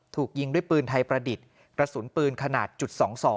ถูกยิงด้วยปืนไทยประดิษฐ์กระสุนปืนขนาดจุด๒๒